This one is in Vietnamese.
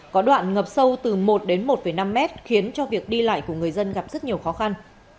có đoạn ngập sâu từ một đến một năm mét khiến cho việc đi lại của người dân gặp rất nhiều khó khăn